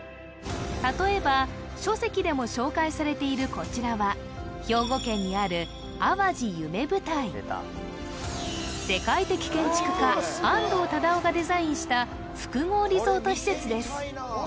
例えば書籍でも紹介されているこちらは兵庫県にある世界的建築家安藤忠雄がデザインした複合リゾート施設です